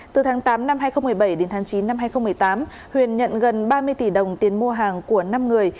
từ tháng tám năm hai nghìn một mươi bảy đến tháng chín năm hai nghìn một mươi tám huyền nhận gần ba mươi tỷ đồng tiền mua hàng của năm người